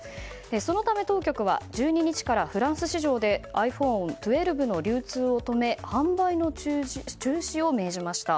そのため、当局は１２日からフランス市場でｉＰｈｏｎｅ１２の流通を止め販売の中止を命じました。